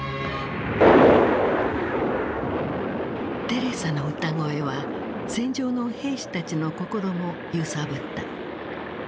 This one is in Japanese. テレサの歌声は戦場の兵士たちの心も揺さぶった。